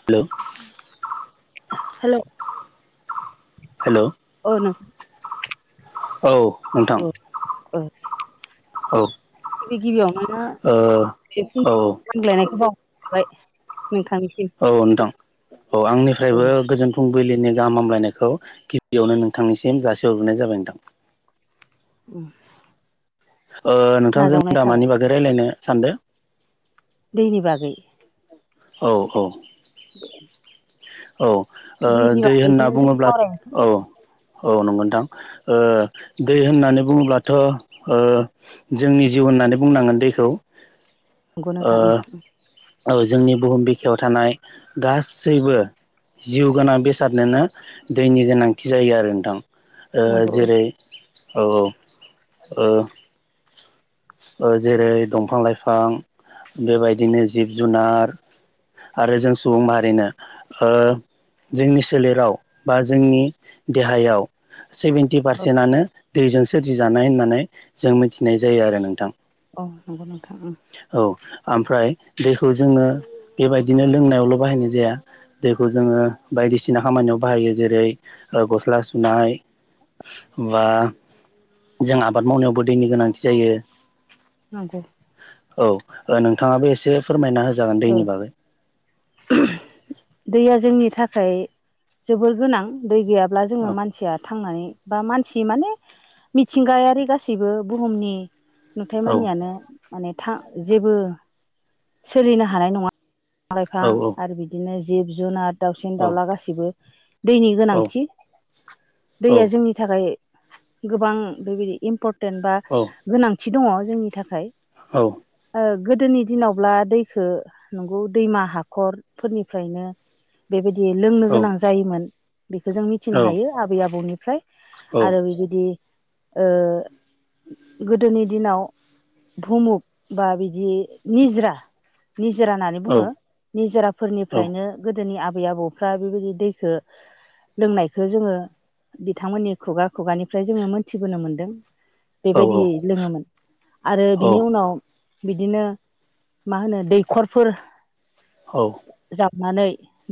Hello hello hello औ नो औ नोंथां ओ ओ औ गिबि गिबियावनो ओ औ [inaudible] गंग्लायनायखौ बावहरनाय थाबाय औ नोंथां औ औ आंनिफ्रायबो गोजोन फुं बिलिनि गाहाम हामलायनायखौ गिबियावनो नोंथांनिसिम जासिहरग्रोनाय जाबाय नोंथां उम ओ नोंथां जों दा मानि बागै रायज्लायनो सानदों? दैनि बागै औ औ [inaudible] औ ओ दैनि दै होनना बागैखौनो जों बुङोब्ला सावरायनोसै औ औ नंगौ नोंथां ओ दै होननानै बुङोब्लाथ' ओ जोंनि जिउ होननानै बुंनांगोन दैखौ नंगौ‌ नोंथां‌ उम ओ औ जोंनि बुहुम बिखायाव थानाय गासैबो जिउ गोनां बेसादनोनो दैनि गोनांथि जायो आरो नोंथां। औ नंगौ जेरै औ औ ओ ओ जेरै दंफां लाइफां बेबायदिनो जिब जुनार आरो जों सुबुं माहारिनो ओ जोंनि सोलेराव बा जोंनि देहायाव सेभेन्टि औ पारसेन्टआनो दैजों सोरजिजानाय होननानै जों मिथिनाय जायो आरो नोंथां औ औ नंगौ नोंथांं उम औ ओमफ्राय दैखौ जोङो बेबायदिनो लोंनायावल' बाहायनाय जाया दैखौ जोङो बायदिसिना खामानियाव बाहायो जेरै- अ गस्ला सुनाय बा जों आबाद मावनायावबो दैनि गोनांथि जायो नंगौ औ नोंथाङाबो एसे फोरमायना होजागोन ओ दैनि बागै दैया जोंनि थाखाय जोबोर गोनां दै गैयाब्ला जोङो औ मानसिया थांनानै बा मानसि माने मिथिंगायारि गासैबो बुहुमनि नुथाय औ मानियानो माने था जेबो सोलिनो हानाय नङा फां औ लाइफां आरो बिदिनो जिब जुनार दाउसिन औ दावउला गाससिबो दैनि औ गोनांथि औ दैया जोंनि थाखाय गोबां बेबायदि इम्परटेन्ट बा औ गोनांथि दङ जोंनि थाखाय औ अ गोदोनि दिनावब्ला दै खौ नंगौ दैमा हाखरफोरनिफ्रायनो बेबाय- दि लोंनो गोनां जायोमोन बेखौ जों मिथिनो हायो आबै आबौनिफ्राय आरो बिबायदि ओ गोदोनि दिनाव भुमुक बा बिदि निजरा निजोरा होननानै बुङो निजोराफोरनिफ्रायनो गोदोनि आ- बै आबौफ्रा बेबायदि दैखौ लोंनायखौ जोङो बिथांमोननि खुगा-खुगानिफ्राय जोङो मोनथिबोनो मोनदों बेबायदि औ लोङोमोन आरो औ बिनि उनाव बिदिनो मा होनो दैखरफोर औ नानै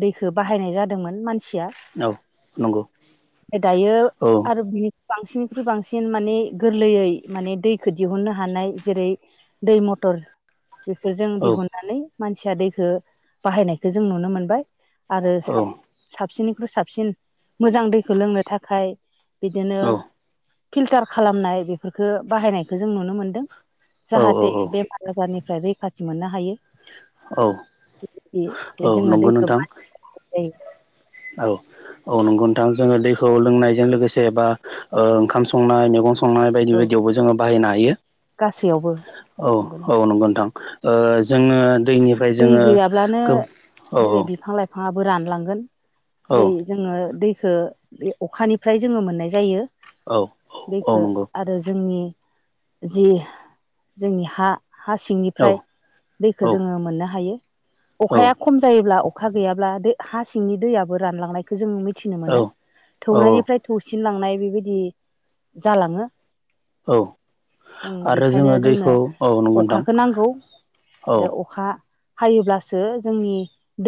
दैखौ बाहायनाय जादोंमोन मान- सिया नंगौ औ नंगौ दायो औ आरो बि- बांसिननिख्रुइ बांसिन माने गोरलैयै माने दैखौ दिहुननो हानाय जेरै- दै मथर बेफोरजों औ दिहुननानै मानसिया दैखौ बाहायनायखौ जों नुनो मोनबाय आरो औ साब-साबसिननिख्रुइ साबसिन मोजां दैखौ लोंनो थाखाय बिदिनो फिल्टार खालामनाय बेफोरखौ बाहायनायखौ जों नुनो मोनदों औ जाहाथे औ बेमार आजारनिफ्राय रैखाथि मोननो हायो औ औ जोङो नंगौ दैखौ नोंथां मायो [unintelligible] औ औ नंगौ नोंथां जोङो दैखौ लोंनायजों लोगोसे बा अ ओंखाम संनाय मैगं सं- नाय बायदि औ बायदियावबो जोङो बाहायनो हायो गासैयावबो औ औ नंगौ नोंथां अ जोङो दैनिफ्राय दै जोङो गो औ औ आबो रानलांगोन दै औ जोङो दै- खौ बे अखानिफ्राय जोङो मोननाय जायो औ औ बेखौ नंगौ आरो जोंनि जि जोंनि हा हा औ सिंनिफ्राय दैखौ औ जोङो मोननो हायो औ अखाया खम जायोब्ला अखा गैयाब्ला दै हा सिंनि दैयाबो रानलांनायखौ जों मि- थिनो मोनो औ औ थौनायनिफ्राय थौसिनलांनाय बेबायदि जालाङो औ जों आरो बेखायनो जोङो जोंनो दैखौ औ नंगौ नोंथां अखाखौ नांगौ औ बे अखा हायोब्लासो जोंनि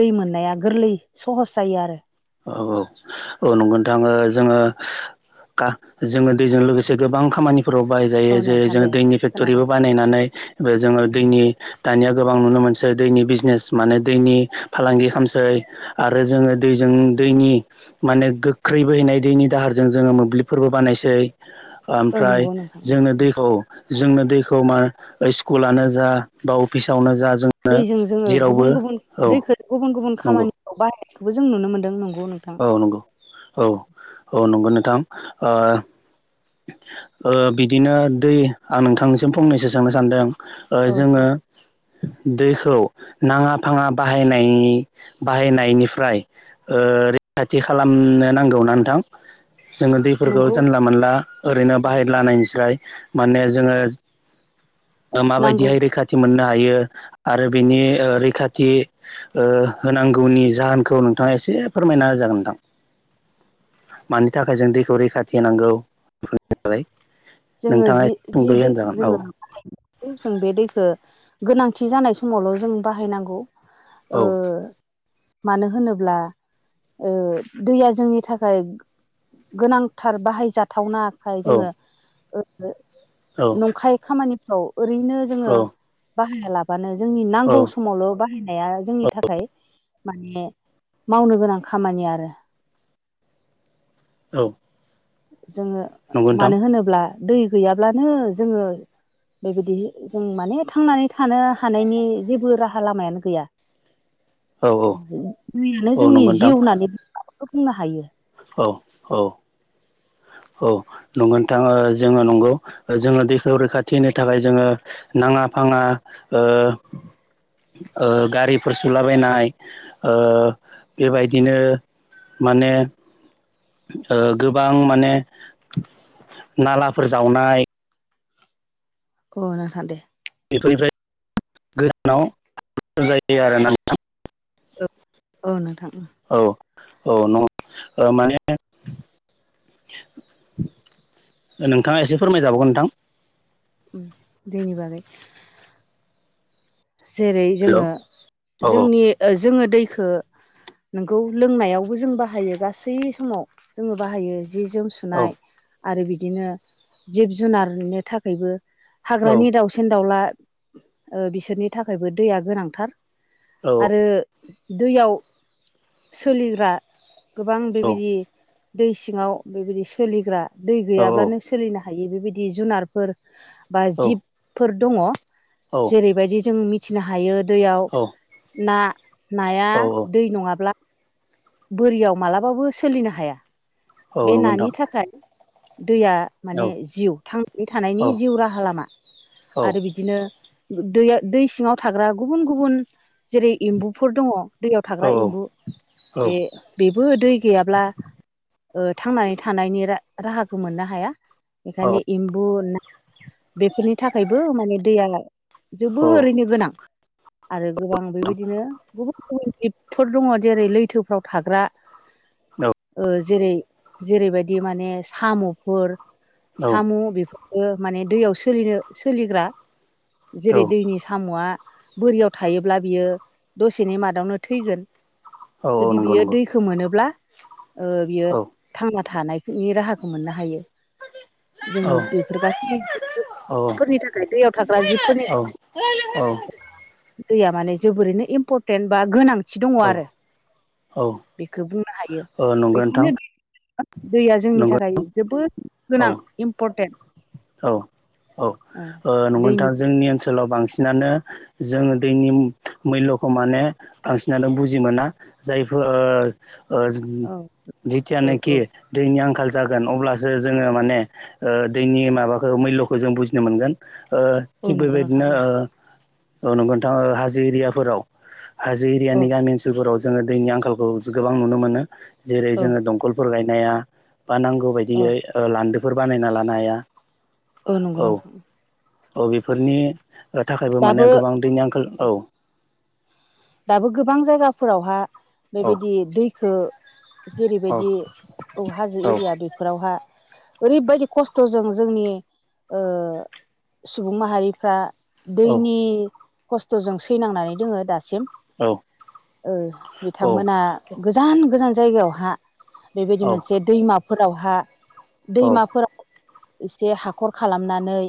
दै मोननाया गोरलै सहस जायो आरो औ औ औ नंगौ नोंथां औ जोङो का जोङो दैजों लोगोसे गोबां खामानि- फोराव बाहाय जायो औ जेरै- नोंथां जों दे दैनि खोनादों फेक्ट'रिबो बानायनानै बे जोङो दैनि दानिया गोबां नुनो मोन- दैनि बिजनेस माने दैनि फालांगि खालासै आरो जोङो दै- जों दैनि माने गोख्रै बोहैैनाय दैनि दाहारजों जोङो मोब्लिबफोरबो बानायसै। ओ ओमफ्राय नंगौ नोंथां उम जोंनो उम दैखौ जोंनो दैखौ मा स्कुलानो जा बा अफिसावनो जा जोंनो दैजों जोङो गुबुन जेरावबो गुबुन औ नंगौ। खौबो जों नुनो मोनदों नं औ नंगौ औ-औ नंगौ नोंथां ओ ओ बिदिनो दै आं नोंथांनिसिम फंनैसो सोंनो सानदों। ओ जोङो औ दैखौ नाङा फाङा बाहायनाय बाहायनायनिफ्राय ओ रैखाथि खालाम नो नांगौना नोंथां। जोङो दैफोरखौ नंगौ जानला मोनला ओरैनो औ बाहाय लानायनिस्राय माने जोङो ओ नांगौ माबायदिहाय रैखाथि मोनना हायो आरो बिनि ओ रैखाथि ओ होनांगौनि जाहोनखौ नोंथाङा एसे फोरमायना होजागोन नोंथां। [inaudible] मानि थाखाय जों दैखौ रैखाथि होनांगौ। [unintelligible] जोङो नोंथाङा जि ए जि सुंदै दै होनजागोन। औ जोङो जों बे दैखो गोनांथि जानाय समावल' जों बाहायनांगौ। ओ औ मानो होनोब्ला ओ दैया जोंनि थाखाय गोनांथार बाहायजाथावना खाय औ जोङो ओ-ओ औ नंखाय खामानिफ्राव ओरैनो जोङो औ बाहायालाबानो जोंनि औ नांगौ समावल' बाहायनाया औ जोंनि थाखाय माने मावनो गोनां खामानि आरो औ। जोङो नंगौ नोंथां मानो होनोब्ला दै गैयाब्लानो जोङो बेबायदि जों माने थांनानै थानो हानायनि जेबो राहा लामायानो गैया औ औ दैयानो औ जोंनि जिउ होननानै बुंनो हायो। औ-औ। [inaudible] औ नंगोनथाङ ओ जोङो नंगौ जोङो दैखौ रैखाथि होनो थाखाय जोङो नाङा आंना ओ ओ गारिफोर सुलाबायनाय ओ बेबायदिनो माने ओ गोबां माने नालाफोर जावनाय। [inaudible] थोरिनफ्राय गोजानाव [unintelligible] जायो आरोना नोंथां। ओ औ नोंथां। औ औ नंगौ माने नोंथाङा एसे फोरमायजाबावगोन नोंथां। उम दैनि बागै जेरै हेल' जोङो औ जोंनि ओ जोङो दैखो नोंगौ लोंनायावबो जों बाहायो गासै समाव जोङो बाहायो। जि जोम औ सुनाय आरो बिदिनो जिब जुनारनि थाखायबो औ हाग्रानि दाउसिन दाउला ओ बिसोरनि थाखायबो दैया गोनांथार आरो दैयाव सोलिग्रा गोबां बेबायदि दै सिङाव बेबायदि सोलिग्रा दै औ गैयाब्लानो सोलिनो हा यो बेबायदि जुनारफोर बा औ जिबफोर दङ औ जेरैबायदि उम मिथिनो हायो दैयाव ना नाया औ दै नङाब्ला बोरियाव मालाबाबो सोलिनो हाया औ बे नंगौ नोंथां नानि थाखाय दैया औ माने जिउ थां औ थानायनि जिउ राहा लामा औ आरो बिदिनो दैया दै सिङाव थाग्रा गुबुन-गुबुन जेरै एम्बुफोर दङ। दैयाव औ थाग्रा एम्बु औ बे बेबो दै गैयाब्ला ओ थांनानै थानायनि रा राहाखौ मोननो हाया औ बेखायनो एम्बु ना बेफोरनि थाखायबो माने दैया जोबोरैनो गोनां आरो गोबां बेबायदिनो गुबुन गुबुन जिबफोर दङ जेरै लैथोफ्राव थाग्रा ओ जेरै जेरैबायदि माने साम'फोर साम बेफो फोर माने दैयाव सोलिनो सोलिग्रा औ जेरै दैनि साम'आ बोरियाव थायोब्ला बियो दसेनि मादावनो थैगोन। औ जुदि नंगौ बियो नंगौ दैखौ मोनोब्ला ओ बियो औ थांना थानायनि राहाखौ मोननो हायो। औ जोङो बेफोर गासै फोरनि थाखाय दैयाव थाग्रा जिब औ औ दैया माने जोबोरैनो इम्परटेन्ट बा गोनां थि दङ आरो औ बेखौ बुंनो हायो औ नंगौ नोंथां बेखायनो बे दैया जोंनि नंगौ थाखाय जोबोद औ गोनां इम्परटेन्ट औ औ ओ नोंगौ नोंथां दैनि जोंनि ओनसोलाव बांसिन सिनानो जोङो दैनि मुल्यखौ माने बांसिनानो बुजि मोना जायफोर ओ ओ औ जिथिया औ नाखि औ दैनि आंखाल जागोन अब्लासो जोङो माने ओ दैनि माबाखौ मुल्यखौ जों बुजिनो मोनगोन। ओ औ थिग नंगौ नोंथां बेबायदिनो औ ओ औ नोंगौ नोंथां हाजो एरियाफोराव हाजो एरियानि गामि ओनसोलफोराव जोङो दैनि आंखालखौ जो गोबां नुनो मोनो जेरै औ जोङो दंखलफोर गाय नाया बा नांगौ औ बायदियै ओ लान्दोफोर बानायना लानो हाया औ नोंगौ नोंथां। औ बेफोरनि ओ थाखायबो माने दाबो गोबां दैनि आंखाल औ दाबो गोबां जायगाफोरावहा औ बेबायदि दैखो औ जेरैबायदि औ हाजो एरिया बेफोरावहा ओरैबायदि खस्थ'जों जोंनि ओ सुबुं माहारिफ्रा औ दैनि खस्थ'जों सैनांनानै दोङो दासिम औ ओ औ बिथांमोना गोजान गोजान जायगायावहा बेबायदि मोनसे दैमाफोरावहा औ दैमाफोराव एसे हाखर खालामनानै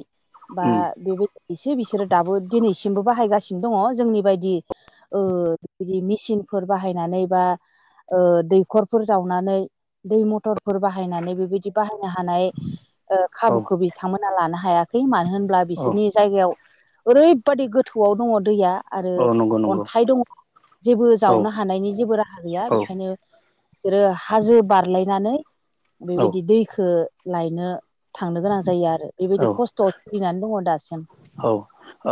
बा उम बेबाय इसे बिसोरो दाबो दिनैसि सिमबो बाहायगासिनो दङ जोंनि बायदि ओ बिदि मेसिनफोर बाहायनानै बा ओ दैखरफोर जावनानै दै मथरफोर बाहायनानै बेबायदि बाहाय नो हानाय ओ औ खाबुखौ बिथांमोना लानो हायाखै मानो होनब्ला बिसोरनि जायगायाव ओरैबादि गोथौआव दङ दैया औ नोंगौ नोंगौ। आखाइ दङ जेबो जावनो हानायनि जेबो राहा गैया बेखायनो बिसोरो हाजो बारलायनानै औ बेबायदि दैखौ लायनो थांनो गोनां जायो आरो औ बेबायदि खस्थआव सोलिनानै दङ दासिम। औ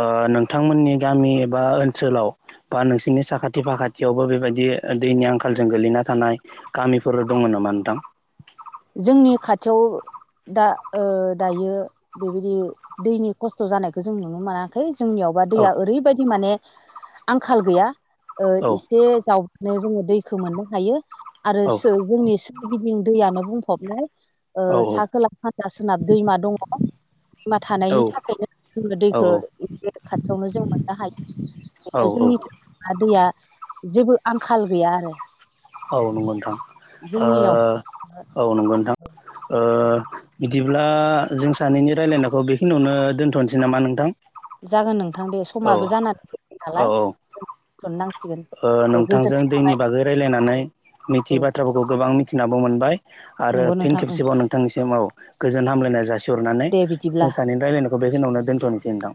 ओ नोंथांमोननि गामि एबा ओनस सोलाव बा नोंसिरनि साखाथि फाखाथियावबो बेबायदि दैनि आंखालजों गोग्लैना थानाय गामि बिफोर दङ नामा नोंथां। जोंनि खाथियाव दा ओ दायो बेबायदि दैनि खस्थ'जानायखौ जों नुनो मोनाखै जोंनियावबा औ दैया ओरैबायदि माने आंखाल गैया ओ औ एसे जाव नो जोङो दैखौ मोननो हायो आरो औ सो जोंनि सोरगिदिं दैयानो बुंफबनाय। ओ औ सा-खोला सानजा-सोनाब दैमा दङ। दैमा थानायनि थाखायनो जोङो दैखौ एसे खाथियावनो जों मोननो हायो। औ फ्राय औ जोंनि दैया जेबो आंखाल गैया आरो। औ नंगौ नोंथां जोंनियाव ओ औ नंगौ नोंथां ओ बिदिब्ला जों सानैनि रायलायनायखौ बेखिनियावनो दोन्थ'नोसै नामा नोंथां। जागोन नोंथां दे औ समाबो जानानानै फैबाय औ नालाय औ दोनथनांसिगोन। ओ नोंथांजों दैनि बागै रायज्लायनानै मिथियै औ बाथ्राफोरखौ गोबां मिथिनाबो मोनबाय। आरो नंगौ नोंथां ओं फिन‌खेबसेबाव नोंथांनिसिम औ गोजोन हामलायनाय जासि हरनानै दे बिदिब्ला जों सानैनि रायलायनायखौ बेखिनियावनो दोनथ'नोसै नोंथां।